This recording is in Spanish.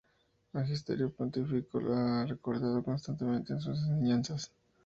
El magisterio pontificio lo ha recordado constantemente en sus enseñanzas.